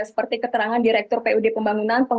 seperti keterangan direktur pud pembangunan